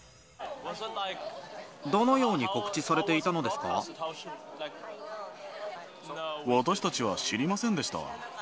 どのように告知されていたの私たちは知りませんでした。